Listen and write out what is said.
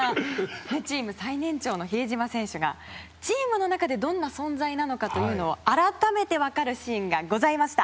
チーム最年長の比江島選手がチームの中でどんな存在なのかというのが改めて分かるシーンがございました。